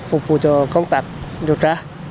phục vụ cho công tác điều tra